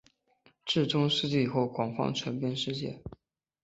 至中世纪以后广泛传遍世界。